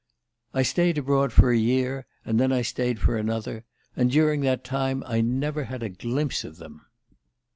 "I stayed abroad for a year, and then I stayed for another; and during that time I never had a glimpse of them.